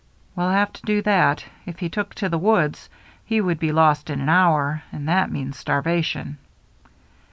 " He'll have to do that. If he took to the woods, he would be lost in an hour — and that means starvation."